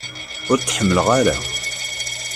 Ur t-ḥemmleɣ ara.